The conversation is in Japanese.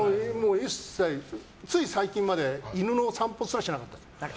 つい最近まで犬の散歩すらしなかった。